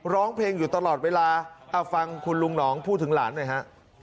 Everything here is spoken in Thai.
ร้องเพลงอยู่ตลอดเวลาเอาฟังคุณลุงหนองพูดถึงหลานหน่อยฮะ